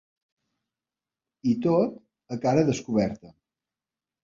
I tot a cara descoberta.